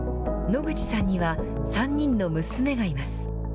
野口さんには、３人の娘がいます。